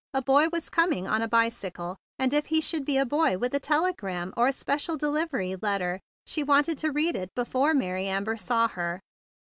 A. boy was coming on a bicycle; and, if he should be a boy * with a telegram or a special delivery letter, she wanted to read it before Mary Amiber saw her.